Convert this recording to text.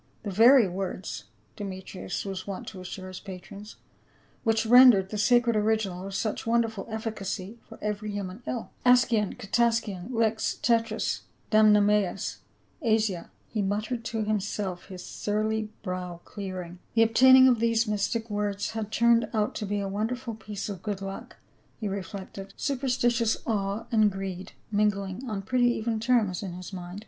' The very words,' De metrius was wont to assure his patrons, ' which ren dered the sacred original of such wonderful efficacy for every human ill.' "Askion — Kataskion — Lix — Tetras — Damname neus — Aisia,"* he muttered to himself, his surly brow clearing. The obtaining of these mystic words had turned out to be a wonderful piece of good luck, he reflected, superstitious awe and greed mingling on pretty even terms in his mind.